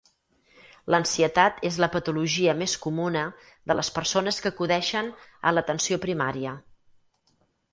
L'ansietat és la patologia més comuna de les persones que acudeixen a l'atenció primària.